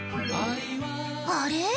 あれ？